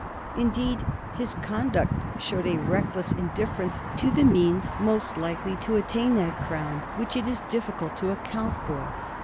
Indeed, his conduct showed a reckless indifference to the means most likely to attain that crown which it is difScult to account for.